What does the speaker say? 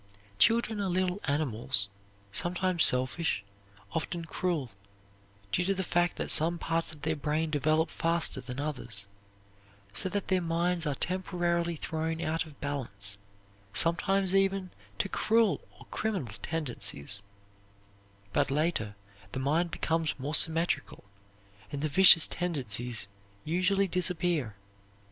Children are little animals, sometimes selfish, often cruel, due to the fact that some parts of their brain develop faster than others, so that their minds are temporarily thrown out of balance, sometimes even to cruel or criminal tendencies, but later the mind becomes more symmetrical and the vicious tendencies usually disappear.